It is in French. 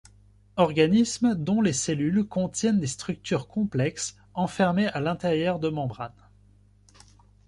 Organismes dont les cellules contiennent des structures complexes enfermés à l'intérieur de membranes.